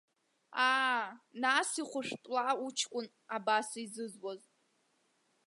Аа, нас ихәышәтәла уҷкәын абас изызуз!